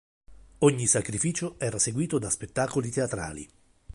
Ogni sacrificio era seguito da spettacoli teatrali.